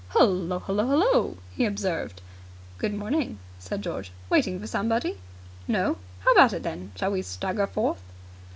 "Hullo! Hullo! Hullo!" he observed. "Good morning," said George. "Waiting for somebody?" "No." "How about it, then? Shall we stagger forth?"